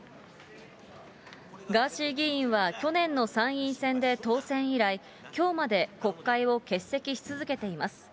ガーシー議員は去年の参院選で当選以来、きょうまで国会を欠席し続けています。